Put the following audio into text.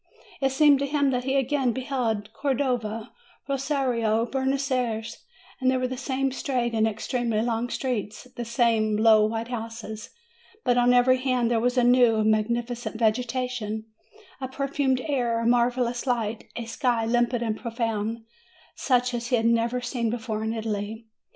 It 286 MAY seemed to him that he again beheld Cordova, Rosario, Buenos Ayres : there were the same straight and ex tremely long streets, the same low white houses, but on every hand there was a new and magnificent vege tation, a perfumed air, a marvelous light, a sky limpid and profound, such as he had never seen even in Italy.